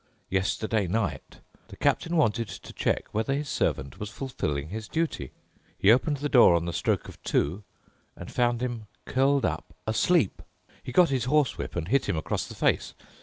Yesterday night the captain wanted to check whether his servant was fulfilling his duty. He opened the door on the stroke of two and found him curled up asleep. He got his horsewhip and hit him across the face.